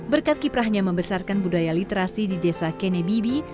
berkat kiprahnya membesarkan budaya literasi di desa kenebibi